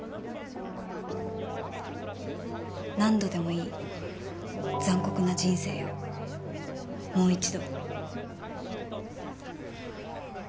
「何度でもいい残酷な人生よもう一度」。